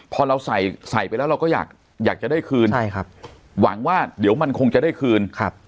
พอเราใส่ใส่ไปแล้วเราก็อยากจะได้คืนใช่ครับหวังว่าเดี๋ยวมันคงจะได้คืนครับ